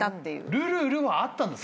「ルルルル．．．」はあったんだ